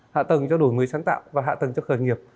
hạ tầng cho đổi mới sáng tạo và hạ tầng cho khởi nghiệp